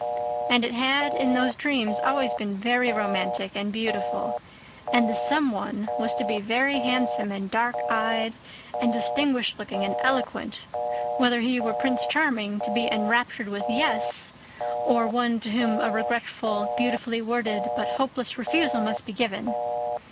And it had, in those dreams, always been very romantic and beautiful: and the "some one" was to be very handsome and dark eyed and distinguished looking and eloquent, whether he were Prince Charming to be enraptured with "yes," or one to whom a regretful, beautifully worded, but hopeless refusal must be given.